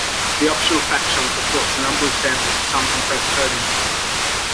The optional fact chunk reports the number of samples for some compressed coding schemes.